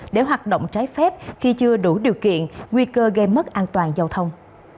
để hoạt động trái phép khi chưa đủ điều kiện nguy cơ gây mất an toàn giao thông